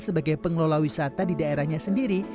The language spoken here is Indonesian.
sebagai pengelola wisata di daerahnya sendiri